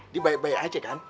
di baik baik aja kan